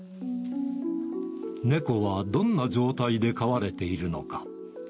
猫はどんな状態で飼われているのか。